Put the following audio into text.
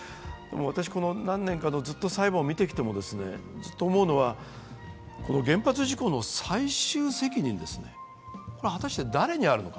私、この何年か、ずっと裁判を見てきて、思うのは、原発事故の最終責任が果たして誰にあるのか。